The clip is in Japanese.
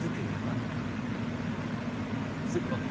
スープ飲んで。